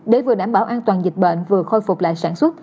để vừa đảm bảo an toàn dịch bệnh vừa khôi phục lại sản xuất